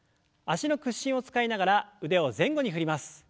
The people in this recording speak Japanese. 脚の屈伸を使いながら腕を前後に振ります。